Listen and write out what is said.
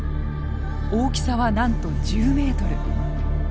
大きさはなんと１０ｍ。